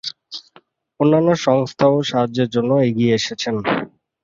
অন্যান্য সংস্থাও সাহায্যের জন্য এগিয়ে এসেছেন।